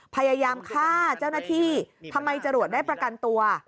พยายามฆ่าเจ้าหน้าที่ทำไมจรวดได้ประกันตัว